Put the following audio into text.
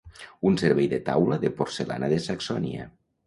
Un servei de taula de porcellana de Saxònia.